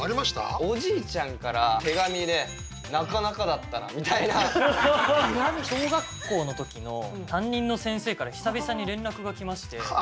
おじいちゃんから手紙で「なかなかだったな」みたいな。小学校の時の担任の先生から久々に連絡が来まして。